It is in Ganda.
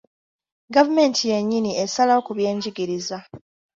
Gavumenti yennyini esalawo ku byenjigiriza .